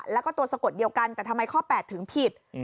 แล้วก็ตัวสะกดเดียวกันแต่ทำไมข้อ๘ถึงผิด